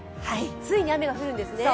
ついに雨が降るんですね。